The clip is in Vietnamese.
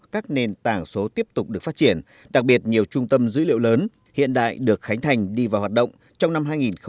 các nền tảng số tiếp tục được phát triển đặc biệt nhiều trung tâm dữ liệu lớn hiện đại được khánh thành đi vào hoạt động trong năm hai nghìn hai mươi ba hai nghìn hai mươi bốn